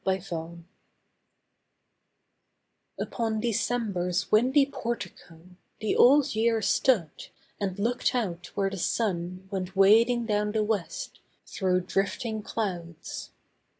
DECEMBER Upon December's windy portico The Old Year stood, and looked out where the sun Went wading down the West, through drifting clouds.